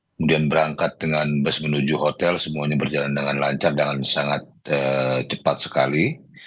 kemudian berangkat dengan bus menuju hotel semuanya berjalan dengan lancar dengan sangat cepat sekali